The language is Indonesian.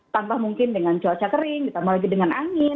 tanpa mungkin dengan cuaca kering ditambah lagi dengan angin